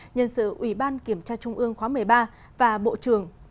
nhân sự ủy ban kiểm tra trung ương khóa một mươi ba và bộ trưởng